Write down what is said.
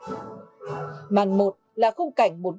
màn một là không cạnh tương phản màn hai là không cạnh tương phản